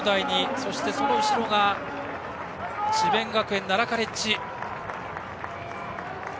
そして、その後ろが智弁学園奈良カレッジ。